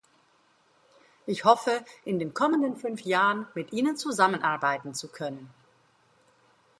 Ich hoffe, in den kommenden fünf Jahren mit Ihnen zusammenarbeiten zu können.